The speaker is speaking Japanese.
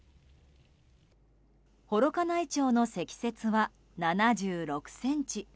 幌加内町の積雪は７６ｃｍ。